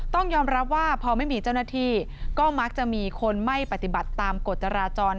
ต้องยอมรับว่าพอไม่มีเจ้าหน้าที่ก็มักจะมีคนไม่ปฏิบัติตามกฎจราจร